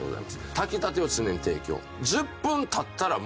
炊きたてを常に提供。